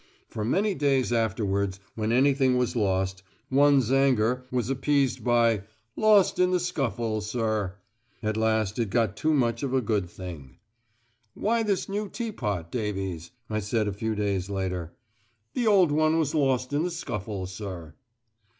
For many days afterwards when anything was lost, one's anger was appeased by "Lost in the scuffle, sir." At last it got too much of a good thing. "Why this new teapot, Davies?" I said a few days later. "The old one was lost in the scuffle, sir."